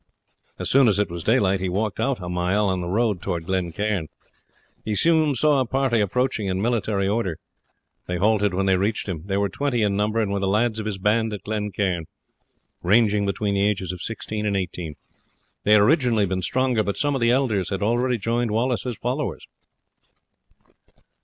As soon as it was daylight he walked out a mile on the road towards Glen Cairn. He soon saw a party approaching in military order. They halted when they reached him. They were twenty in number, and were the lads of his band at Glen Cairn, ranging between the ages of sixteen and eighteen. They had originally been stronger, but some of the elders had already joined Wallace's followers.